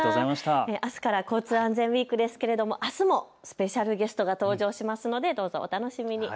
あすから交通安全ウイークですがあすもスペシャルゲストが登場するのでお楽しみに。